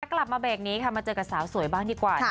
กลับมาเบรกนี้ค่ะมาเจอกับสาวสวยบ้างดีกว่า